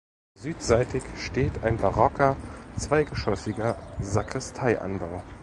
Südseitig steht ein barocker zweigeschoßiger Sakristeianbau.